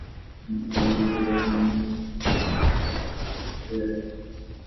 রাজা বলিলেন, না, আমাকে যখন বলিয়াছে আমিই পাড়িয়া দিব।